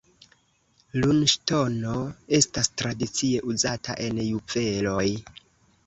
Lunŝtono estas tradicie uzata en juveloj.